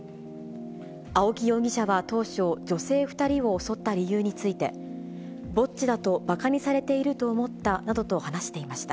青木容疑者は当初、女性２人を襲った理由について、ぼっちだとばかにされていると思ったなどと話していました。